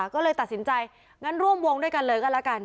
ก็เลยตัดสินใจงั้นร่วมวงด้วยกันเลยก็แล้วกัน